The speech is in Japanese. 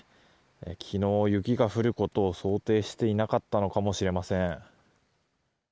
昨日、雪が降ることを想定していなかったのかもしれません。